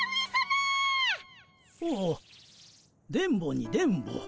おお電ボに電ボ。